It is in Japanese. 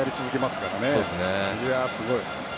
すごい。